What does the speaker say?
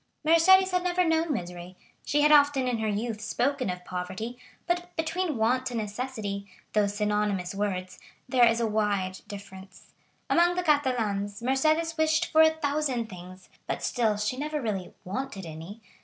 50141m Mercédès had never known misery; she had often, in her youth, spoken of poverty, but between want and necessity, those synonymous words, there is a wide difference. Amongst the Catalans, Mercédès wished for a thousand things, but still she never really wanted any.